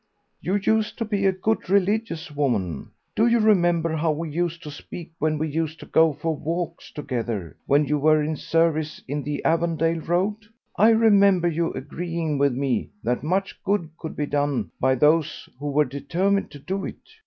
"You used to be a good, religious woman. Do you remember how we used to speak when we used to go for walks together, when you were in service in the Avondale road? I remember you agreeing with me that much good could be done by those who were determined to do it.